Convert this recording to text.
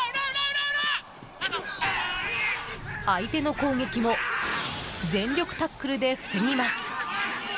相手の攻撃も全力タックルで防ぎます。